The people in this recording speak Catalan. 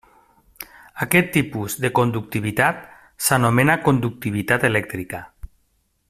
Aquest tipus de conductivitat s'anomena conductivitat elèctrica.